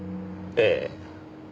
ええ。